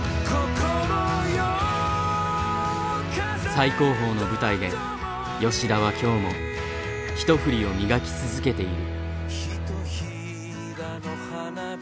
最高峰の舞台で吉田は今日も「一振り」を磨き続けている。